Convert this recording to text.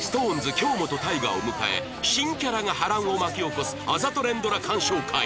京本大我を迎え新キャラが波乱を巻き起こすあざと連ドラ鑑賞会